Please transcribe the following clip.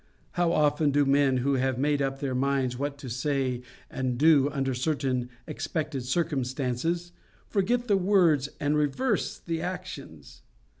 How often do men who have made up their minds what to say and do under certain expected circumstances, forget the words and reverse the actions!